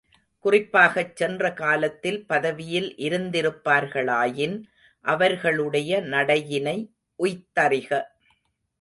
குறிப்பாகச் சென்ற காலத்தில் பதவியில் இருந்திருப்பார்களாயின் அவர்களுடைய நடையினை உய்த்தறிக.